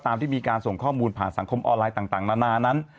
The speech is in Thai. ที่มีการส่งข้อมูลผ่านสังคมออนไลน์ต่างนานานั้น